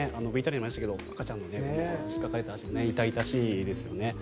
ＶＴＲにもありましたけど赤ちゃんが引っかかれた足痛々しいですよね。